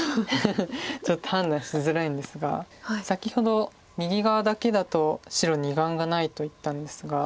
ちょっと判断しづらいんですが先ほど右側だけだと白２眼がないと言ったんですが。